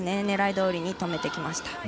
狙いどおりに止めてきました。